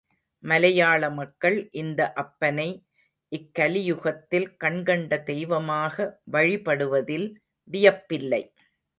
மலையாள மக்கள் இந்த அப்பனை, இக்கலியுகத்தில் கண்கண்ட தெய்வமாக வழிபடுவதில் வியப்பில்லை.